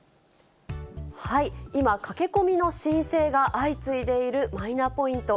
今、駆け込みの申請が相次いでいるマイナポイント。